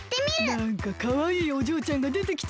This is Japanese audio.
なんかかわいいおじょうちゃんがでてきたな。